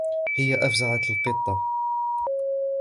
هي أفزعت القط.